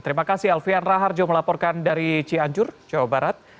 terima kasih alfian raharjo melaporkan dari cianjur jawa barat